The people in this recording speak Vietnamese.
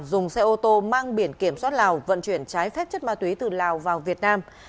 dùng xe ô tô mang biển kiểm soát lào vận chuyển trái phép chất ma túy từ lào vào việt nam